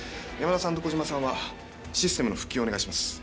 山田さんと小島さんはシステムの復旧をお願いします。